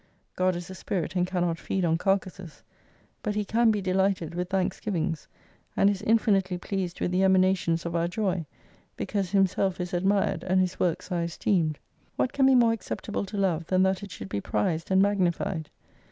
God is a Spirit and cannot feed on carcases : but He can be delighted with thanksgivings, and is infinitely pleased with the emanations of our joy, because Himself is admired and His works are esteemed. What can be more acceptable to love than that it should be prized and magnified